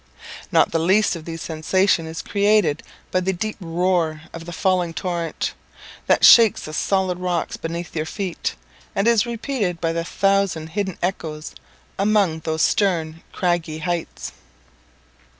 Not the least of these sensations is created by the deep roar of the falling torrent, that shakes the solid rocks beneath your feet, and is repeated by the thousand hidden echoes among those stern craggy heights.